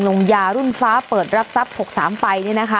ลงยารุ่นฟ้าเปิดรับทรัพย์๖๓ไป